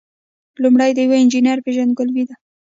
لومړی د یو انجینر پیژندګلوي ده.